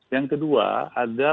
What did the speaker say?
yang kedua ada